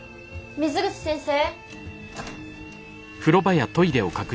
水口先生？